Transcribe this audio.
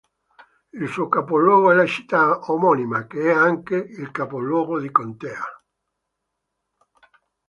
Il suo capoluogo è la città omonima, che è anche il capoluogo di contea.